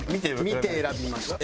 見て選びました。